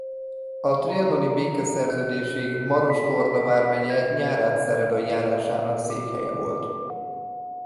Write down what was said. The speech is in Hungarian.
A trianoni békeszerződésig Maros-Torda vármegye Nyárádszeredai járásának székhelye volt.